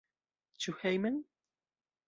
Ĉu hejmen?